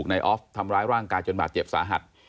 ในออฟท์ทำร้ายห้างกายจนแบบเจ็บสาหัด